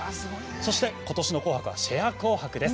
そして、今年の「紅白」は「シェア紅白」です。